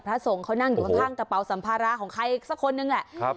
พระสงฆ์เขานั่งอยู่ข้างกระเป๋าสัมภาระของใครสักคนนึงแหละครับ